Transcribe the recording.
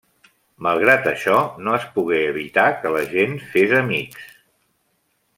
Malgrat això no es pogué evitar que la gent fes amics.